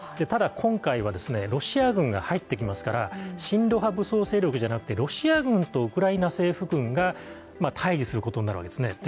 ただ今回は、ロシア軍が入ってきますから親ロ派武装勢力じゃなくて、ロシア軍とウクライナ政府軍が対峙することになるわけですね。